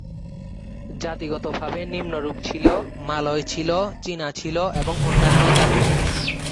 জাতিগত ভাবে নিম্নরূপ ছিল: মালয় ছিল, চীনা ছিল, এবং অন্যান্য জাতি।